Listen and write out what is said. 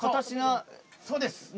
そうです。